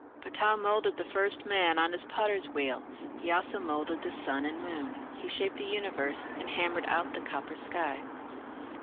Ptah moulded the first man on his potter's wheel: he also moulded the sun and moon; he shaped the universe and hammered out the copper sky.